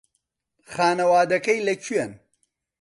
خانەوادەکەی لەکوێن؟